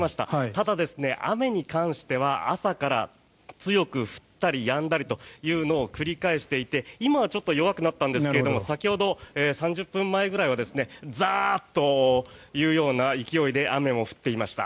ただ、雨に関しては朝から強く降ったりやんだりというのを繰り返していて今はちょっと弱くなったんですが先ほど３０分前ぐらいはザーッというような勢いで雨も降っていました。